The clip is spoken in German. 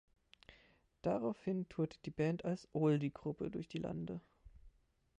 Daraufhin tourte die Band als Oldie-Gruppe durch die Lande.